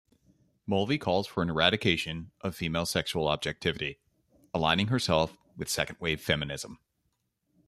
Mulvey calls for an eradication of female sexual objectivity, aligning herself with second-wave feminism.